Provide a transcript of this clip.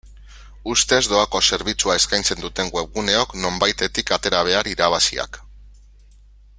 Ustez doako zerbitzua eskaitzen duten webguneok nonbaitetik atera behar irabaziak.